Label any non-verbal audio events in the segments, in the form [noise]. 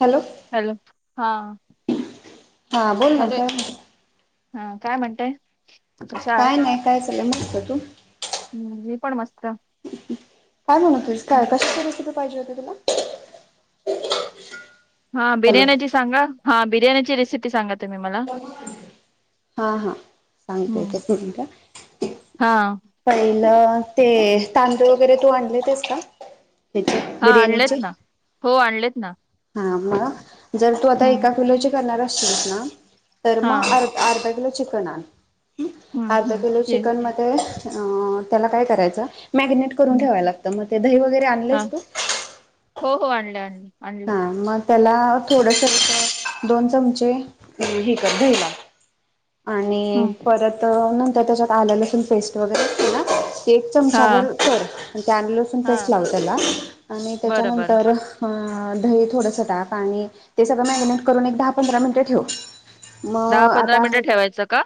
Hello hello हा हा बोल ना हॅलो का हा काय म्हणतेय काय नाही काय चालय मगत तू हम्म मी पण मस्त काय म्हण त काय हम्म. कश का रेसिपी पाहिजे होती तुला हा हॅलो बिर्याणी ची सांगा हा बिर्याणीची रेसिपी सांगा तुम्ही मला हा हा सांगतोय का हम्म का हा पहिलं ते तांदूळ वगैरे तू आणले तेस का त्या हा बिरयाणीचे आणलेत ना हो आणलेत ना हा मग जर तू आता हम्म एका किलोची करणार असशील ना तर हा मग अर हम्म अर्धा हम्म किलो ते चिकन मध्ये अ त्याला काय करायचं मॅगिनेट करून हम्म ठेवाय लागत मग ते दही वगैरे हा आणलेस तू हो हो आणले आणले आणले हा म त्याला थोडसे दोन चमचे हेिकत घ्यायला आणि हम्म परत नंतर त्याच्यात आलं लसूण पेस्ट वगैरे ना एक हा चमचाभर कर अड लसून हा पेस्ट लाव त्याला आणि बरं बरं त्याच्यानंतर दही थोडंसं ताप आणि ते सगळं मॅरिनेट करून एक दहा पंधरा मिनिटं ठेव दहा मग पंधरा आता मिनिटं ठेवायचं का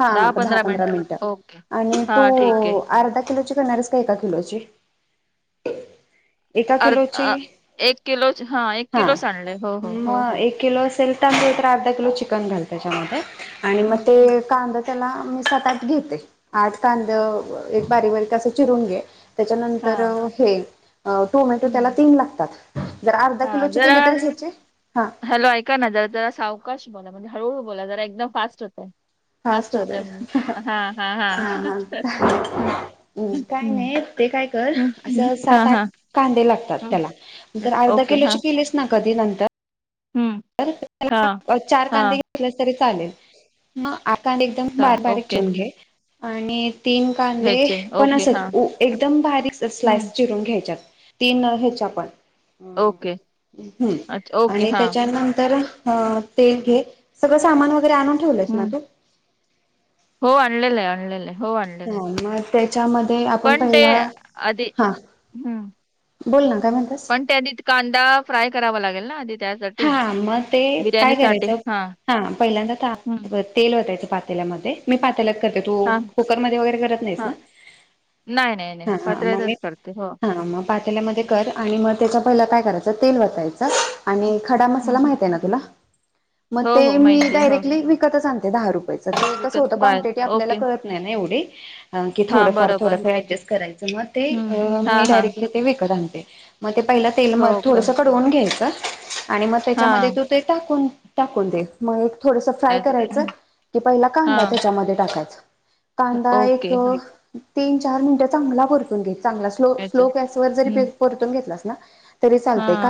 हा दहा पंधरा मिनिटं मिनट ओके आणि तो हा ठीक आहे अर्धा किलोची करणारस का एका किलोची एका अर् किलोची एक किलो एक हा किलोच आणलंय हो हो हो मग हो एक किलो अर्ा किलो चन घाल त्याच्या मग हम्म हम्म कां त्याला मी सात आठ घेते आठ कांदा एक बारीक बारीक अस चिरून घे हा त्याच्यानंतर हे टोमॅटो त्याला हम्म तीन लागतात जर अर्धा हा किलोचे जरा केली तरी ह्याचे हा हॅलो ऐका ना जरा जरा सावकाश बोला म्हणजे हळूहळू बोला जरा एकदम फास्ट होते हार हा चालेम् हा काही हम्म, नाही [unintelligible] ते काय कर हम्म, हम्म. असं हा सात आठ हा कांदे लागत हम्म. त्या अर्धा ओके किलो हा केलीस न कधी नंतर हम्म हा त्याला चार कांदे हा घेतले तरी चालेल मग आकार एकदम बार चालेल बारीक ओके चछवून घे आणि तीन कांदे घ्यायचे पण ओके हा असच एकदम बारीक हम्म. स्लाइस चिरून घ्यायच्यात तीन ह्याच्या पण ओके अच्छा ओके आणि हा त्या ते घे सगळ सामान वरे आणून ठेवलंस ना हम्म. तू हो आणलेलं आहे आणलेलंय हो आणलेलं हा आहे मग आपण पण ते पहि आधी ह हम्म. बोल ना काय म्हणतास पण ते आधी कांदा फ्राय करावा लागेल ना आधी त्यासाठी हा मग ते काय करायचं हा पहिल्यांदा हम्म. ताप तेल होतायचं पात पेमध्ये मी पातेला करते तू हा कुकरमध्ये वगैरे करत नाहीस हा ना नाही नाही नाही हा हा मग मी पत्र्यातच करते हो. हा मग पातमध्ये कर आणि मग त्या पहि काय करायच तेल वचायचं आणि खडा मसाला हम्म माहित आहे ना तुला मग हो ते हो मी माहिती आहे हो डायरेक्टली विकतच आणते दहा रुपये स विकत होतं बाहेर क्वांटीटी आपल्याला ओके कळत नाही ना एवढी की हा थोडंफार बरोबर थोडंफार ऍडजस्ट करायचं म्ह ते हम्म हा मी हा डायरेक्टली ते विकत आणते मग ते पहिला तेल म हो का थोडस कडवून घ्यायच आणि मग हा त्याच्यामध्ये तू ते टाकून टाकून देस मग एक थोडस फ्राय त्याच करायचं हं, की पहिला कांदा हा त्याच्यामध्ये टाकायचं कांदा एक ओके हा तीन चार मिनिट चांगला परतून घेतला याच हम्म हा े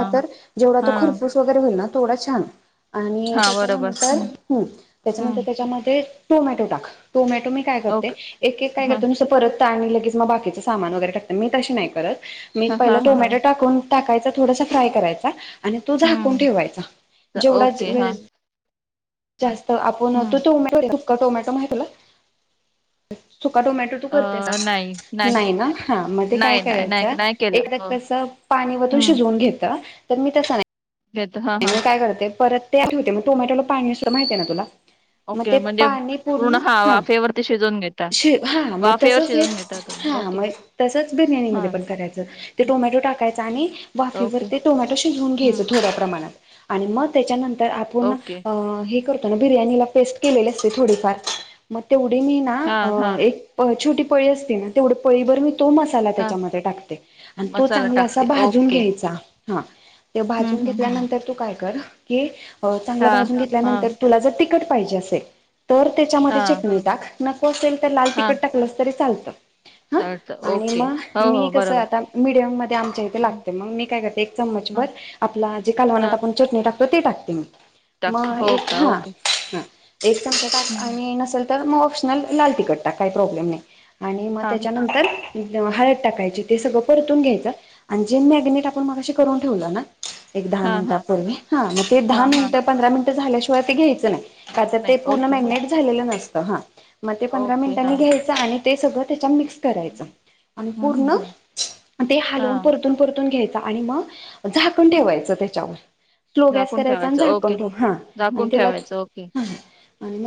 हा खरपूस वगैरे होईल ना थोडं छान आणि हा बरोबर त्याच्यानंतर हम्म त्याच्यानंतर हम्म त्याच्यामध्ये टोमॅटो टाक टोमॅटो मी काय करते ओके एक एक काय हा करते तुसं परत आणि लगेच मग बाकीच सान वगैरे टकते मी तशी नाही करत मी हा हा पहिला हा हा टोमॅटो टाकून टाकायचा थोडासा फ्राय करायचा आणि तो झाकून हम्म ठेवायचा च- जेवढा ओके व हा जास्त तर आपण तू हम्म टोमॅटोपका टोमॅटो म तुला चुका टोमॅटो तू करते का अ नाही नाही ना हा मध्ये काय नाही नाही नाही करायच नाही केलं एकदा हो कस पाणी वून हम्म शिजवून घेत तर मी तसं नाही घेत हा हा म काय करते परत ते होते मग टोमॅटोला पाणी सुद्धा माहिती आहे ना तुला मग ओके ते म्हणजे पाणी पूर्ण हा वाफेवरती शिजवून घेता शिव हा मग वाफेवर तसच हे शिजून घेता तुम्ही हा ओके मग तसंच बिर्याणी म हां. पण करायचं ते टोमॅटो टाकायच आणि वाफीवर ओके. ते टोमॅट घ हं. प्र मग त्यार आप ओके. बिर पेस्ट केले असते थोडीफार मग तेवढी मी ना हां, हां, छट पळी असते ना तेवढं पळी बर मी तो मसाला हां. त्यामध्ये टाकते आणि तो मसाला चांगला असा टाकते. भाजून ओके. घ्याचा ते हं, भाजून हं, हं. घेतल्यानंतर तू काय कर की चांगलं हां, भाजून हां, घेतल्यानंतर तुला जर तट पाहिजे असेल तर त्याच्यामध्ये हां, चटणी टाक नको असेल तर लाल तिखट टाकलंस तरी चालतं हां चा आणि मग मी कसं आता मीडियम मध्ये आमच्या इथे हं, लागते मग मी काय करते एक चमच भर हां, आप जे कालवनात हां. आपण चटणी टाकतो ते टाकते मी टाक मग हो एक का? हा ओके. एक चमचा हं, टा हं. आणि नसेल तर मग ऑप्शनल लाल तखट टा काही प्रॉब्लेम नाही आणि मग हां, हां. त्याच्यानंतर हळद टाकायची ते सगळं परतून घ्यायचं आणि जे मॅग्नेट आपण मगाशी करून ठेवलं ना एक दहा हां, हां. मिनिटापूर्वी हा मग ते दहा हां, हां. मिनिट पंधरा मिनिट झाल्याशिवाय ते घ्यायचं नाही का तर ते नाही. पूर्ण ओके. हां. मॅगनेट झालेलं नसतं हा मग ते पंधरा ओके. मिनिटांनी हां. घ्यायचं आणि ते सगळं त्या मिक्स करायच हं, आणि हं, हं. पूर्ण हं. ते हलवून हां. परतून परतून घ्यायच आणि मग झाकण हं. ठेवायचं त्याच्यावर स्लो गॅस झाकून करायचा आणि ठेवायचं. झाकण ओके. लो हा आणि झाकून त्याला ठेवायचं. ओके. ह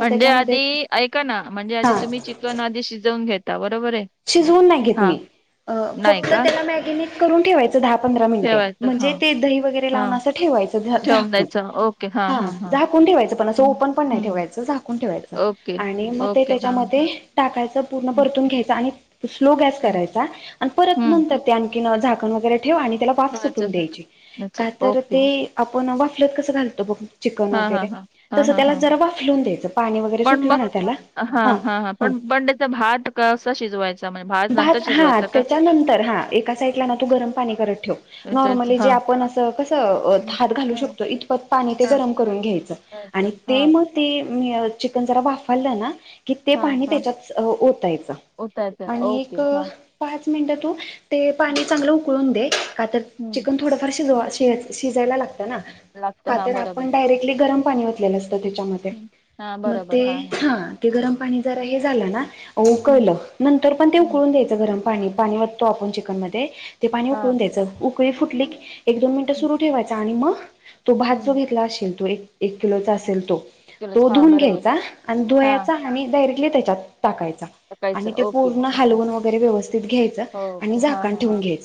म्हणजे आधी ऐका ना म्हणजे हा आधी तुम्ही चिकवण आधी शिजवून घेता बरोबर आहे? शिजवून नाही घेत हां. मी नाही फक्त का त्याला मॅगिनेट करून ठेवायच पं मिनटे ठेवायचं हा म्हणजे ते दही वगरे हा लावून अस ठेवायच झा ठेवून द्यायचं ओके हा ह हा हा झाकून ठेवायचं पण असं ओपन पण नाही हम्म ठेवायचं झाकून ठेवायचं ओके आणि मग ते ओके हा त्याच्यामध्ये टाकायचं घ हम्म स्ो करार आण ठेव आणि त्याला वाफ सुटून ठेवायचं द्यायची अच्छा. का तर ओके ते आपण वाफलत कसं घालतो बघ चिकन हा हा वगैरे हा हा तसं हा त्याला हा जरा वाफलून द्यायचं पाणी वगैरे सुटलं ना त्याला हा हा बंडे्याचा भात कससा शिजवायचा म्हण भात हा त्याच्यानंतर हा एका साईडला ना तू गरम पाणी करत ठेव हा नॉर्मली जे हा आपण कसं हात घालू शकतो इतप पाणी ते हा गरम करून घ्यायचं आणि हा ते मग ते चिकन जरा वाफरलं ना कि ते हा पाणी हा त्याच्यात ओतायच उतायचं आणि ओके एक हा पाच पाच मिनिटात तू ते पाणी चांगलं उकळून दे का तर हम्म चिकन थोडंफार शिजवा शिजायला लागत ना लागतं का हा बरोबर आपण डायरेक्टली गरम पाणीले अस त्याच्या हा मग बरोबर ते हा हा ह गरम पा ज हे झा ना हम्म उकळलं नंतर पण ते हम्म उकळून द्यायचं गरम पाणी पाणी वाटतो आपण चिकन मध्ये ते पाणी हा उकळून द्यायचं उकळी फुटली एक दोन मिनिटं हम्म सुरू ठेवायच आणि मग तो भात जो हम्म घेतला असेल तो एक एक किलोचा असेल तो केलंच तो हा धुून बरोबर घ्यायचा आणि हा धुचा आणि डायरेक्टली त्याच्यात टाकायचा आणि सकाळचं ओके पूर्ण असं हलवून वगरे व्यवस्थित ठे हो हा हा हा घ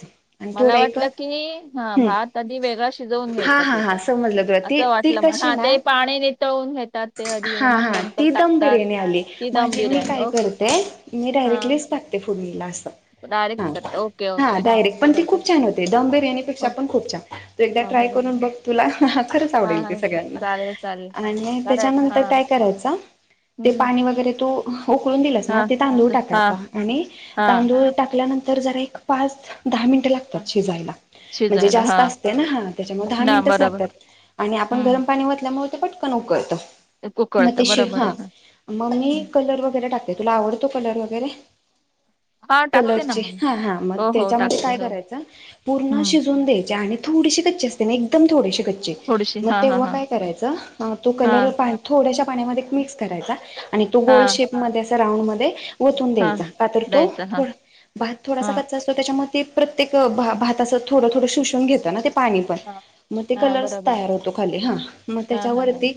मला वाटलं की हा थ भात आधी वेगळा शिजवून हा घ्यायचा हा की हा काय समजलं ग ती असं ती वाटलं मग कशी हा ना ते पाणी नितळवून घेतात ते आधी आणि हा मग हा नंतर ती एकदम टाकतात बिर्याणी आली ती दम माझी मी बिर्याणी काय ओके करते मी हा डायरेक्टलीच टाकते फुडणीला असते डायरेक्ट करता ओके ओके हा हा डायरेक् असं पण करता खप छान होते दम बिर्याेक्षा हो पण खूप छ हा ट्राय हा करून बघ तुला खरंच हा आवडेल ते हा. सगळ्यांना चालेल चालेल आणि कारण हा त्याच्यानंतर टय करायच ते हम्म पाणी वगैरे तू उकळून दिलंस ना हा ते तांदूळ हा टाकायचा आणि हा तांदूळ टाकल्यानंतर जरा एक पाच दहा मिनटं हा. लागतात शिजायला म्हणजे शिजायला जास्त हा असते ना हा त्याच्यामुळे दहा ना मिनिटच बरोबर लागतात आणि आपण हम्म गरम पाणीतल्यामुळे पटकन उकत ते मग उकळतं बरोबर ह आहे हा मग मी हम्म. कलर वगरे टाकते तुला आवड कलर वगैरे हा टाकते ना कलरचे मग हा हा मग हो हो त्याच्यामध्ये टाकते काय हो करायचं पूर्ण हम्म शिजून द्यायचे आणि थोडीशी क्चे असते ना एकदम ोडे क्चे थोडीशी मग हा हा तेव्हा हा काय करायच तो कलर हा थोड्याश पाण्यामध्ये मिक्स करायचा आणि तो हा गोल शेप मध्ये अस राऊंड मध्ये ून हा द्यायचा तो द्यायचं हा भात हा थोडासा कच् असतो त्याच्यामध्ये ते प्रत्येक भातचं थोडं थोडं शोषण घेत पा पण हा मग ते हा कलर बरोबर तयार होतो खा ह मग हा त्याच्या हा हा वती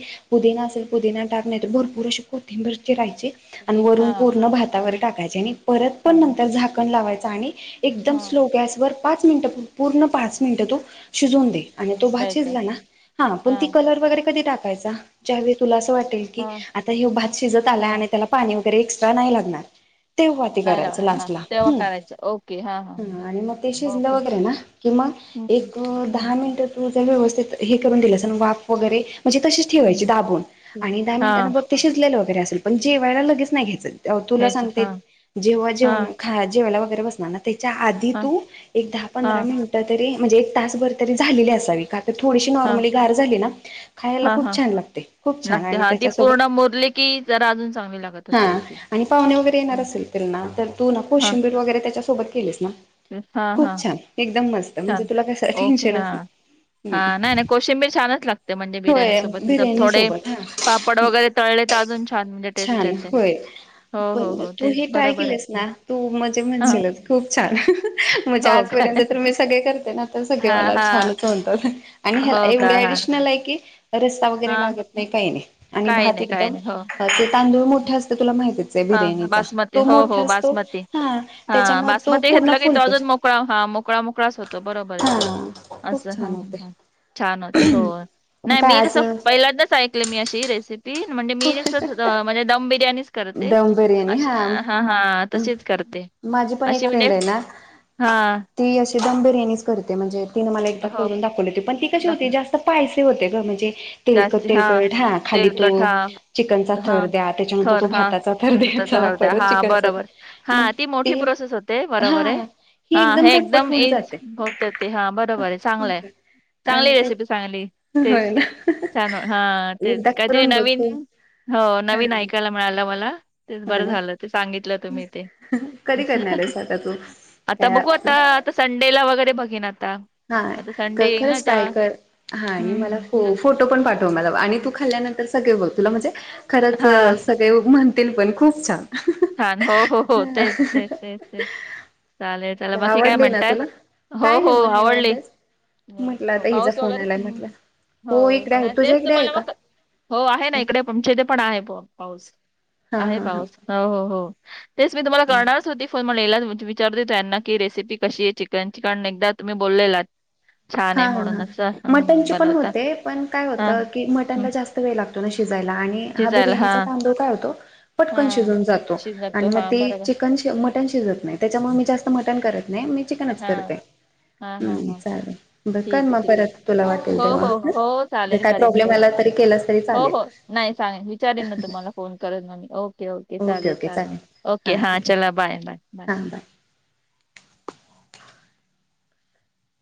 टाक नाही भरपूर अस कोथिंबरचे राहायचे आणि किती हा वरून पूर्ण भातावर टाकायचे आणि परत हा पण नंतर झाकण लावायचं आणि एकदम हा स्लो गॅसवर पाच मिनटं पूर्ण पाच मिनटं तो शिजवून दे आणि तो द्यायचं भाचीिजला हा ना हा पण ती कलर वगैरे कधी टाकायचा ज्यावेळी तुला वाटेल की हा आता हे भात शिजत आला आणि हा त्याला पाणी वगैरे एक्स्ट्रा नाही लागणार तेव्हा तेी नाही करायचं लावणार हा लास्टला तेव्हा ह करायचं ओके हा हा हा आणि मग ते शिजलं ओके वगैरे ना की मग हम्म एक हम्म दहा मिनिट तु व्यवस्थित हे करून दिलं वाफ वगैरे म्हणजे तसेच ठेवायची हम्म हम्म. दाबून ठीक. आणि दहा हा मिनिटांं बघ ते शिजलेलं वैरेल पण जेवायला लगेच नाही घेत तुला घ्यायची सांगते हा जेव्हा हा जेवण ख जेवायला वगैरे बसणार ना त्याच्या आधी हा तू एक दहा हा पंधरा मिनिटं तरी म्हणजे एक तासभर तरी झालेली असाविकात थोडीशी हा नॉर्मली गार झाली ना खायला हा खूप हा छान लागते खूप छान लागते आणि हा ती त्याच्यासोबत पूर्ण मुरली जरा अजून चांगवी लागत हा असेल ती आणि पाहुणे वगैरे हा येणार असेल त्यांना तर तू ना हा कोशिंबीर वगैरे त्याच्यासोबत केलीस ना हा हा खूप छान एकदम मस्त म्हणजे छान तुला कस ओके टेन्शनच हा नाही हा नाही नाही कोशिंबीर छानच लागते म्हणजे बिर्याणी होय सोबत बिर्याणी थोडे सोबत हा पापड वगैरे तळले अजून छान म्हणजे टेस्ट छान येते होय. हो पण हो हो तू तेच हे ट्राय बरोबर आहे. केलेस ना तू मजे हा म्हणशील खूप छान म्हणजे आज हो पर्यंत काय तुम स कर ना तर सगळे हा मला हा छान म्हणतात आणि हो का एवढी हा डिशनल आहे की रस्ता वगैरे हा लागत नाही काही नाही आणि काही भात नाही काही एकदम. नाही हो मोठ्या असं तुला माहि हा बिरणी बासमती तो हो मोठा हो असतो बासमती हा त्याच्यामुळे तो पूर्ण फुलक ह मोकळा मोकळाच होतो बरोबर आहे तो अस. खूप छान होते छान होते हो नाही मी काय कस आज पहिल्यांदच ऐकले मी अशी रेसिपी म्हणजे मी म्हणजे दम बिर्याणी दम बिर्याणी हा हा तशीच करते माझी अ पण एक म्हणजे हा. ते दम बिर्याणीच करते म्हणजे तिनं मला एकदा हो करून दाखवली होती पण ती कशी होती दाखव जास्त पायसे होते ग म्हणजे तेलकट तेलकट हा खाली तो तेलकट हा चिकनचा हा थर द्या त्याच्यानंतर तू थर हा भाताचा तर मग त्याचा द्यायचा हळद्या परत हा चिकनचा बरोबर हा मग ती मोठी ते प्रोसेस होते बरोबर आहे हा. ही हा हे झटपट एकदम होऊन एज जाते होत ते हा बरोबर आहे चांगलं आहे. चांगली आणि ते रेसिपी चांगली होय तेच ना एकदा काहीतरी करून बघ नन हो हा नन ऐकायला मि तेच होय बरं ना झालं ते सांगितलं तुम्ही ते कधी अस करणार आहेस आता तू आता बघू आता काय आता संडेला वगैरे बघेन आता. हा आता संडे येईल ना खरंच तेव्हा पायकर हा आणि हम्म मलाोट हम्म फोो पण पाठव म तू खाल्ल्यानंतर सगळे तुला म्हणजे खरंच हा सगळे पण खूप छान. छान हो हो हो तेच तेच तेच तेच चालेल ला बाकी काय म्हणताय हो हो. आवडली निवादस निवांत म्हटलं हो आता हिचा पाऊस फोन वगैरे आलाय हम्म म्हटलं हो इकडे आहे नाही तुझ्या तेच इकडे आहे तुम्हाला का? मग हो आहे ना इकडे पचे ते पण आहे पाऊस हा आहे हा पाऊस हो हो. ते मी हा तमणार हो. विचार द त्यांना की रेसिपी कशी आहे चिकनची काण एकदा तुम्ही बोललेला हा हा हा मटनचे पण बनवता होते पण काय हा होतं की हम्म, मटनला जास्त वेळ लागत. शिजायला आणि हा बिर्याणीचा तांददा काढतो. हा पटकन शिजून जातो आणि शिजतो मग हा ते बरोबर चिकन मटन शिजत नाही त्याच्यामुळे मी जास्त मटण करत नाही मी चिकनच हा हा हा करतेम्म हा चालेल. बर कर ठीक आहे मग ठीक आहे परत तुला वाटेल हो तेव्हा हो हो चालेल काय करेन प्रॉब्लेम करेन आला तरी केलास तरी हो चालेल. हो नाही सांग विचारेन ना तुम्हाला फोन करून मी ओके ओके चालेल चालेल ओके हां चला बाय. Bye bye.